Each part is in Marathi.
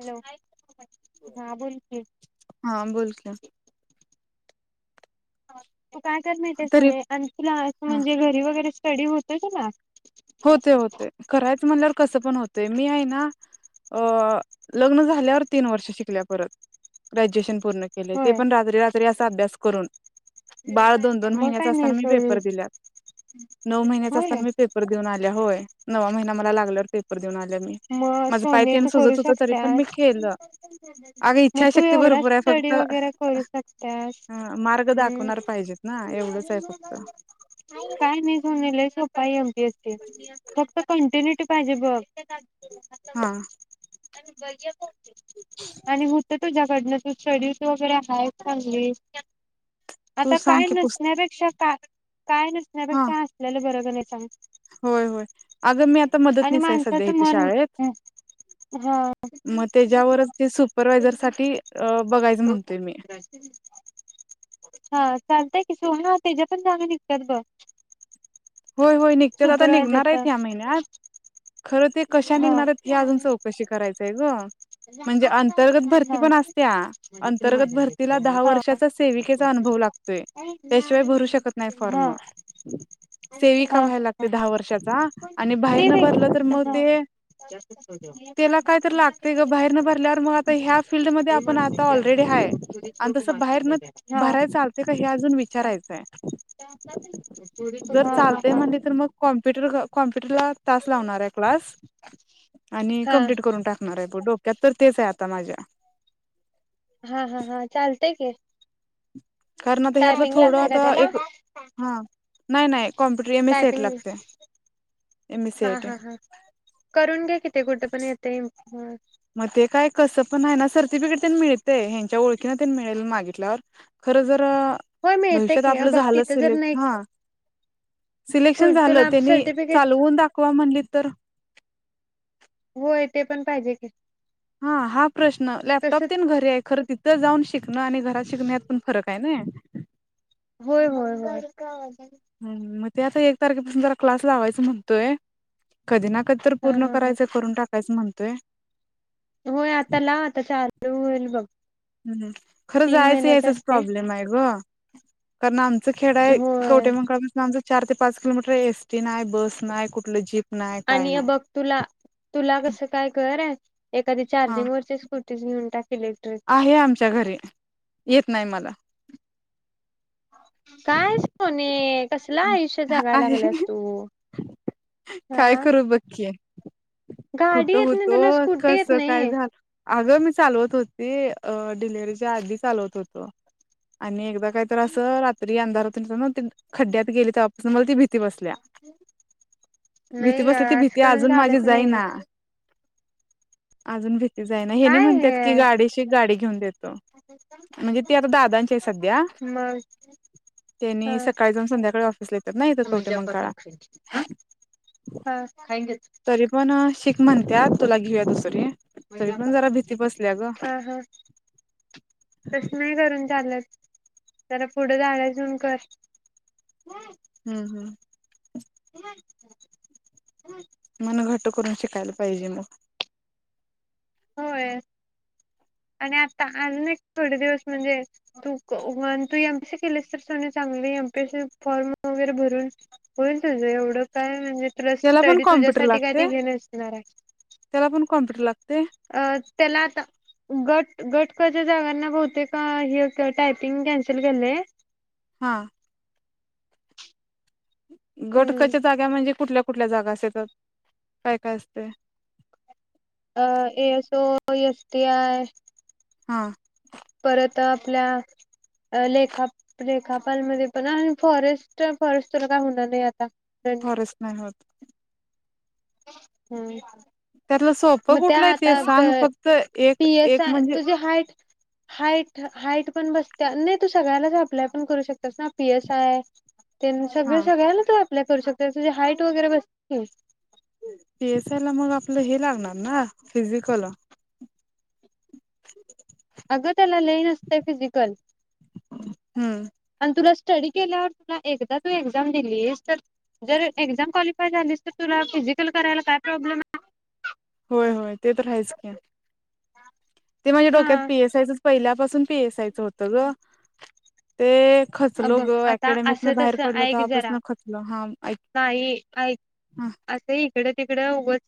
हॅलो हा बोलकी हा बोल की हो तु काय कर माहितीये तरी सोने आण तुला असं म्हणजे घरी वगैरे कडी होत का ना होते होते करायच म्हणल्या वर कसं पण होत मी आहे ना, लग्न झाल्यावर तीन वर्षे शिकल्या परत ग्रॅज्युएशन पूर्ण केले ते होय पण रात्री रात्री अभ्यास करून बाळ दोन दोन मग महिन्याच काय नाही असतांना मी सोड पेपर दिल्यात नऊ महिन्याचा होय असताना मी पेप होय नववा महिना मला लागल्यावर पेपर देऊन आल्या मी मग माझं पाय सोने तेन तू करू सुजत होतं तरी पण मी शकतास केलं अग मग तू इच्छाशक्ती एवढा भरपूर आहे स्टडी फक्त वगैरे करू शकतास मार्ग का ह दाखवणार पाहिजेत ना एवढंच आहे फक्त काय नाही सांगायले आय एम पी असतील फक्त कंटिन्युटी पाहिजे बघ [inaudible] [inaudible] हा आणि होत तुझ्याकडंन तु स्टडीत वगैरे आहेत चांगली. तू आता सांग काय की पुस् नसण्यापेक्षा का काय हा नसण्यापेक्षा असलेलं बरं कणी. शा होय होय. अगं मी आता आणि मदतनीस सध्या माणसाचं इथे मन शाळ ळेत हा मग त्याच्यावर सुपरवायझर साठी अ बघायच म्हणतोय मी. ये सोहना त्याच्या पण जागा निघतात बघ. होय होय, निघते तर आता निघणार आहेत सुपरवायझरच्या ह्या महिन्यात खरं ते कशा हा निघणार आहेत हे अजून हा चौकशी करायचय ग. म्हणजे अंतर्गत भरती पण असत्या, अंतर्गत भरतीला दहा वर्षाचा सेविकेचा अनुभव लागतोय, त्याशिवाय भरू शकत नाही हा हा फॉर्म. सेविका हा व्हायला लागतेय दहा वर्षाचा आणि ते बाहेर वेग भरलं तर मग हा ते त्याला काय तर लागते ग बाहेर न भरल्यावर मग आता ह्या फील्डमध्ये आपण आता ऑलरेडी हाय आणि तसं बाहेर न भराय चालते का हे अजून विचारायचंय हा. हा जर हा चालतेय म्हणले तर मग कॉम्पुटर कॉम्प्युटर ला तास लावणाराय क्लास. आणि हा कम्प्लीट करून टाकणार आहे. डो क्यात तर तेच आहे आता माझ्या. हा हा हा चाल ठीक हे. कारण आता ह्यातलं थोडं आता त्याला एक हा नाही नाही computer M S C I T typing लागत्या, एम एस सी आय हा टी. हा हा करून घे कि ते कुठं पण येतय मग ते काय कस पण आहे ना सर्टिफिकेट तेन मिळते ह्यांच्या ओळखीने त्यां मिळेल मागितल्यावर खर जर अ... मिळते भविष्यात की आपलं बघ झालं तिथं जर सिलेक्ट नाही हा सिलेक्शन झालं तुला त्यांनी सर्टिफिकेट चालवून दाखवा म्हणली तर? होय ते पण पाहिजे की. हा.. हा प्रश्न तस लॅपटॉप ते घरी आहे. खरं तिथं जाऊन शिकण आणि घरात शिकण पण फरक आहे नई. होय होय होय. हम मग ते आता एक तारखेपासून जरा क्लास लावायचा म्हणतोय. कधी ना कधी तर हा पूर्ण हा हा करायचं करून टाकायचं म्हण ते. होय आता लाव आता स्टार्ट होईल बघ. हम् खरं तीन जायचं महिन्याच यायचंच असते प्रॉब्लेम आहे गं. कर नाम. ते खेड आहे होय कवठेमहांकाळ पसलं. चार ते पाच किलोमीटर एस टी नाही बस नाही कुठलं जीप नाही काय आणि हे नाही बघ तुला तुला कसं काय कराय. एखादी हा चार्जिंग वरची स्कूटी. घेऊन टाक. इलेक्ट्रिक आहे आमच्या घरी. येत नाही मला. कायच तुमी कसलं आयुष्य जागायला आहे लागलास तू हे काय हा. करू बघकी गाडी कुठं येत नाही होतो तुला स्कूटी कस येत काय नाही झालं.. अगं मी चालवत होती अ डिलिव्हरीच्या आधी चालवत होतो आणि काय त्रास ओ रात्री अंधारात. [inaudible] खड्ड्यात गेले तवा मला भीती बसल्या भीती नाही बसल्या ती असं भीती करून अजून माझी चालत नाही जाईना. अजून भीती जाउदे.. हेनी काय म्हणतात हे की गाडी शीक गाडी घेऊन देतो म्हणजे ती आता दादांची आहे सध्या मग हा त्यांनी सकाळी जाऊन संध्याकाळी ऑफिसला येतात ना इथ कवठेमहांकाळला हा तरी पण म्हणत्यात तुला घेऊया दुसरी. तरी पण जरा भीती बसल्या ग हा हा तस नाही करून चालत. तर पुढ [unintelligible] कर हम्, हम्. [inaudible] मन घट्ट करून शिकायला पाहिजे म होय आणि आता आल ना थोडे दिवस म्हणजे तू तू एम. पी. सी केलीस तर सोनी चांगली एम. पी. सी फॉर्म वगैरे भरून होईल तुझ एवढं काय म्हणजे तुला तेला पण स्टडी कॉम्प्युटर तुझ्यासाठी काय ते लागतय हे त्याला पण कॉम्प्युटर लाग अ त्याला आता गट गट क च्या जागांना बहुतेक हे टायपिंग कॅन्सल केलंय. हा. गट क च्या जागा म्हणजे कुठल्या कुठल्या जागा आस येतात काय काय असतय? अ A. So. O, S. T. I हा परत आपल्या लेखा लेखापाल मध्ये पण आणि फॉरेस्ट फॉरेस्ट तुला काय होणार नाही. फॉरेस्ट नाही होत त्यातलं हम् सोपं मग त्या कुठलं आहे आता ते सांग फक्त एक पीस एक म्हणजे तुझी हा हाट पण बस नाही तू सगळ्यालाच अप्लाय पण करू शकत तस ना पी एस आय त्यां सगळ हा सगळला तर आप करू शकत तुझी हाईट वगैरे बसते पीएस आय ला मग आपलं हे लागणार ना फिजिकल अगं त्याला लई नसते फिजिकल हम्म आणि तुला स्टडी केल्यावर तुला एकदा तू एक्झाम दिली आहेस तर जर एक्झाम झालस तुला फिजिकल करायला काय प्रॉब्लेम आहे होय होय ते तर राच ते म्हणजे डोक्यात आहे पीस आय पहि पासून पेसय होतं ग ते अ खचलो बघ ग आता अकॅडमीतन असं बाहेर तस पडलो ऐक जरा तेव्हापासून खचलो हा ऐक नाही ऐक हा असं इकड तिकड उगच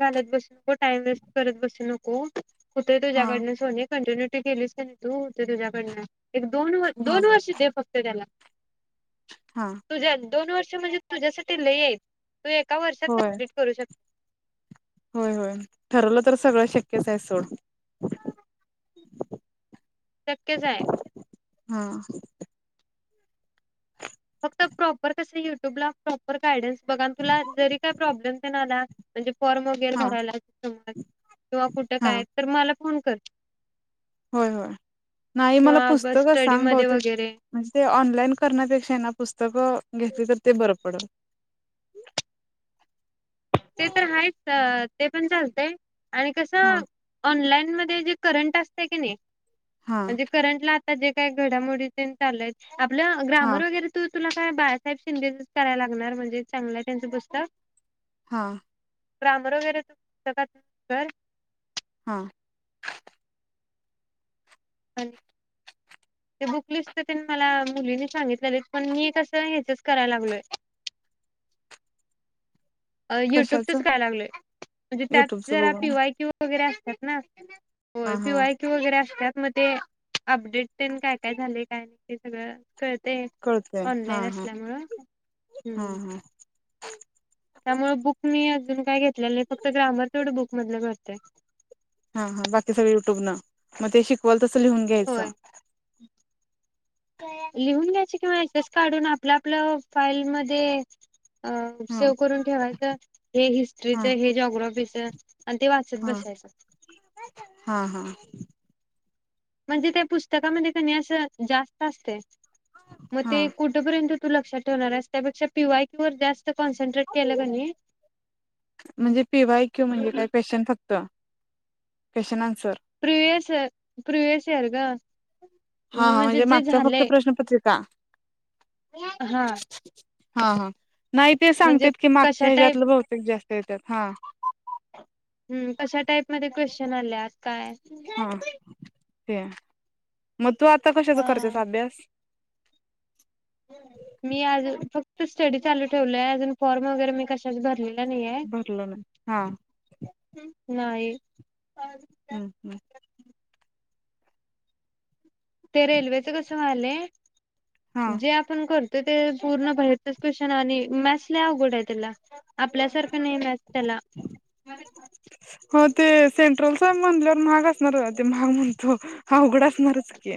घा बसून टाइम वेस्ट करत बसू नको हो कुठं आहे हा तुझ्याकडनं सोने कंटिन्युट केली तू हो तुझ्याकडन एक दोन व हा दोन वर्ष फक्त त्याला हा तुझ्या दोन वर्ष म्हणजे तुझ्यासाठी ल क होय शक्िट करू शकत होय होय ठरलं तर सगळं शक्यच आहे सोड ततके जाय हा फक्त प्रॉपर कस युट्यूबला प्रॉपर गायडन्स बघा तुला जरी काय प्रॉब्लेम ते ना आला म्हणजे फॉर्म वगैरे हा भरायला सम किंवा कुठे हा काय तर मला फोन कर होय होय नाही मला किंवा पुस्तकच स्टडी सांग मध्ये बहते वगैरे म्हणजे ते ऑनलाईन करण्यापेक्षा ना पुस्तक घ तर ते बर पड ते तर आहेच ते पण चालते आणि कस हा ऑनलाईन जे करंट असते की नाही हा म्हणजे करंट ला ता जे काय घडामोडी ते चालाय आपलं हा ग्रामर वगैरे तू तुला काय बाळासाहेब शिंदेच करायला लागणार म्हणजे चांगलंय त्यांचं पुस्तक हां क्रामर वगैरे त सग घर हा आणि ते बुक लिस्ट मला मुलीनी सांगितलेले पण मी कसं ह्याचच करायला लागलोय युट्यूबचच कशाचं काय लागलोय म्हणजे त्यात युट्यूबचं जरा बघून पीवाय क्यू वगैरे अस घत ना हा होय हा पिवाय क वगैरे असतात मग ते अपडेट प काय काय झाले काय नाही ते सगळं कळत ते कळतंय हा ऑनलाईन हा असल्यामुळं हम् ह त्यामुळे बुक मी अजून काय घेतलेलं फक्त ग्रॅमर तेवढं बुक मधलं करतय हा हा बाकी सगळे युट्युब न मग ते शिकवाल लिहून होय घ्यायचं लिहून घ्यायच किंवा एस एस काढून आपलं आपलं फाईल मध्ये अ हा सेव करून ठेवायचं हे हा हिस्ट्रीचं हे जोग्राफीचं आणि ते वाचत हा बसायचं [unintelligible] म्हणजे ते पुस्तकामध्ये कणी अस जास्त असतय म हा ते कुठपर्यंत तू लक्षात ठेवणारस त्यापेक्षा पिवाय कीव वर जास् म्हणजे पी वाय क्यू म्हणजे काही क्वेशन फक्त क्वेशना प्रिवियस प्रिवियस इयर ग हा हा म्हणजे जे मागच्या फक्त झालंय प्रश्नपत्रीका हा हा हा नाही ते म्हणजे सांगतात की मागच्या कशा टाईप ह्याच्यातलं बहुतेक जास्त देत्यात हा हम् कशा टाईप मध्ये क्वेश्चन आल्यात काय. गाडीपण - प्या [unintelligible] तू आता कशाचा हा करतेस अभ्यास मी आज फक्त फक्त स्टडी चालू ठेवलंय अजून फॉर्म वगेरे मी कशाचा भरले - भरलं ना हा नाही. हम्म हम्म ते रेल्वेचं कसं व्हालंय. हा जे आपण कर- तर ते पूर्ण बाहेरचच क्वेशन आणि मॅथ्स ला अवघड आहे. त्याला आपल्यासारखं नाही मॅथ त्याला हो ते सेंट्रलचा म्हणल्यावर महाग असणार ते महाग म्हणतो हा अवघड असणारच की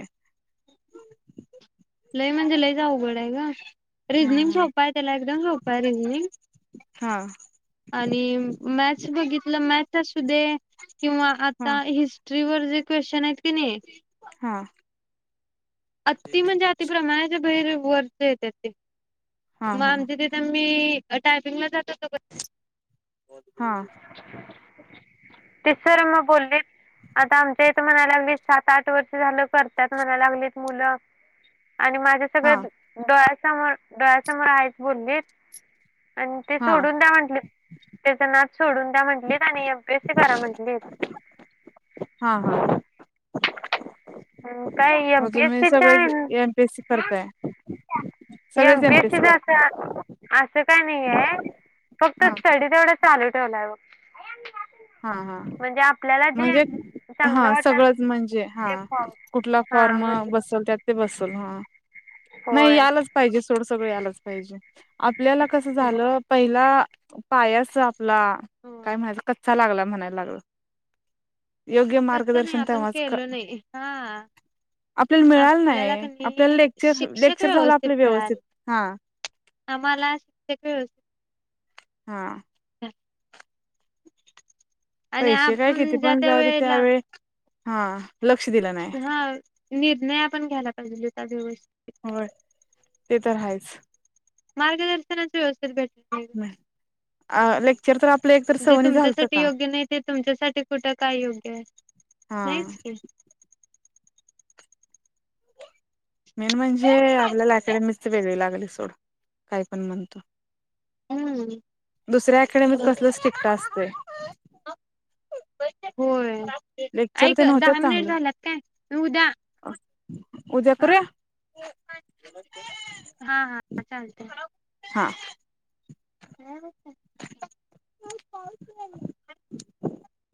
लय म्हणजे लयचं अवघड हाय ग हा रिजनिंग सोपं आहे त्याला एकदम सोपं आहे रिजनिंग हा आणि मॅथ्स बघितलं मॅ तसू दे किंवा हा आता हिस्ट्री वर जे क्वेशचन आहेत की नाही. हा अति म्हणजे अति प्रमाणात बाहेर वरचे येत ते. हा मग हा आमची तिथे मी टायपिंगला जात होतो. हा ते सर मग बोलली आता आमच्या इथ म्हणायला लागले सात आठ वर्ष झालं करतात म्हणाय लागली. मुलं आणि माझ्या सगळ्या हा डोळ्या समोर डोळ्यासमोर आहेच बोलले. आणि ते हा सोडून द्या म्हंटले त्याच नाद सोडून द्या म्हंटलेत आणि एमपीएस करा म्हटलेत. हा [unintelligible] काय एम मग तुम्ही पीसीच सगळेच आहे एमपीएससी करताय एम सगळेच एमपीएससी पीसीचा करताय काय नाही आहे फक्त हा स्टडी तेवढा चालू ठेवलाय ब हा हा म्हणजे चांगलं हा वाटल सगळंच म्हणजे हा ते फॉर्म कुठला हा फॉर्म म्हणजे बसल त्यात बसल हा नाही यालाच पाहिजे सोड सगळं आलाच पाहिजे आपल्याला कसं झालं पहिला पायाच आपला होय काय म्हणा लागला म्हणायला लागल योग्य कसं नाही मार्गदर्शन आपण तेव्हाच केलो नाही हा आपल्याला मिळाल आपल्याला नाही आपल्याला कणी लेक्चर शिक्षक लेक्चर झालं व्यवस्थित आपलं व्यवस्थित मिळाले हा आम्हाला शिक्य कळू श हा आणि पैसे काय किती आपण ज्या पण त्या जाऊते वेळेला त्यावेळे हा लक्ष दिलं नाही हा निर्णय पण घ्यायला पाहिजे त्या दिवस होय ते तर आहेयच मारगदर्शनच व्यवस्थल भट लेक्चर तर आपलं एक तर जे सवनी झालतं तुमच्यासाठी का योग्य नाही ते तुमच्यासाठी कुठे काय योग्य आहे हा नाहीच की मेन म्हणजे आपल्याला अकॅडमीिकच वेगळी लागली काय पण म्हणतो हम्म दुसऱ्या आखड्या म कसलच टिकता अस ते होय ऐक ते नव्हत्याच दहा मिनिट चांगलं झाल्यात काय मी उद्या उद्या हा करूया हा हा चालतय हा मॅ हम् पा